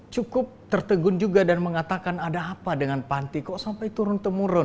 cukup tertegun juga dan mengatakan ada apa dengan panti kok sampai turun temurun